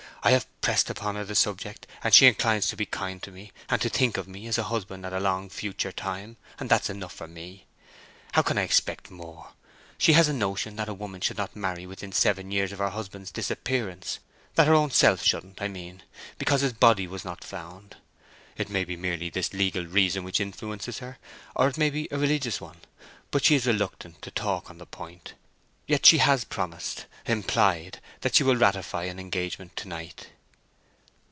"I have pressed her upon the subject, and she inclines to be kind to me, and to think of me as a husband at a long future time, and that's enough for me. How can I expect more? She has a notion that a woman should not marry within seven years of her husband's disappearance—that her own self shouldn't, I mean—because his body was not found. It may be merely this legal reason which influences her, or it may be a religious one, but she is reluctant to talk on the point. Yet she has promised—implied—that she will ratify an engagement to night."